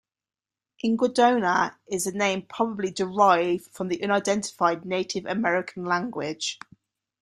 Inguadona is a name probably derived from an unidentified Native American language.